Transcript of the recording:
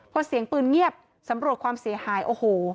พอเสียงปืนเงียบสำรวจความเสียหายโอ้โห